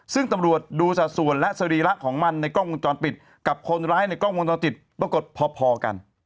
ซึ่งตำรวจดูสัดส่วนและสรีระของมันในกล้องวงจรปิดกับคนร้ายในกล้องวงจรปิดปรากฏพอกัน